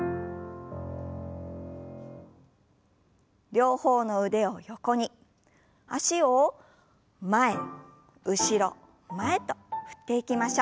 両方の腕を横に脚を前後ろ前と振っていきましょう。